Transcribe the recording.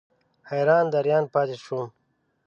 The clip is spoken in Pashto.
حیران دریان پاتې شوم.